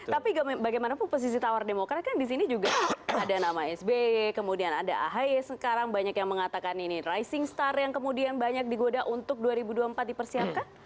tapi bagaimanapun posisi tawar demokrat kan disini juga ada nama sby kemudian ada ahy sekarang banyak yang mengatakan ini rising star yang kemudian banyak digoda untuk dua ribu dua puluh empat dipersiapkan